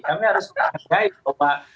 kami harus berpikir